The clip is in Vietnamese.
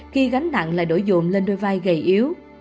khi gánh nặng lại đổi dồn lên đôi vai gầy yếu